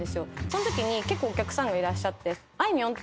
そんとき結構お客さんがいらっしゃって。